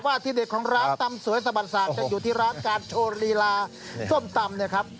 แต่ว่าอาทิตย์เด็ดของร้านตำสวยสะบัดศาสตร์จะอยู่ที่ร้านกาจโชลีลาส้มตำ